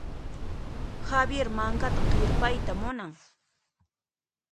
Javier mankata kirpayta munan.